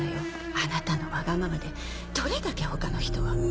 あなたのわがままでどれだけ他の人が。